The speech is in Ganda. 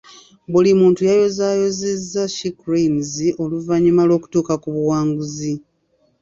Buli muntu yayozaayozezza She cranes oluvannyuma lw'okutuuka ku buwanguzi.